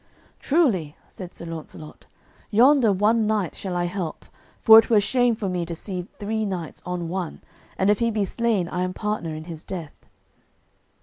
"Truly," said Sir Launcelot, "yonder one knight shall I help, for it were shame for me to see three knights on one, and if he be slain I am partner in his death."